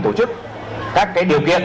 tổ chức các cái điều kiện